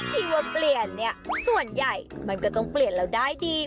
ที่ว่าเปลี่ยนเนี่ยส่วนใหญ่มันก็ต้องเปลี่ยนเราได้ดี